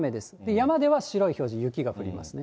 山では白い表示、雪が降りますね。